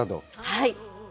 はい！